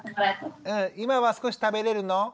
今は少し食べれるの？